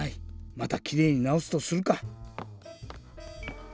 またきれいになおすとするか。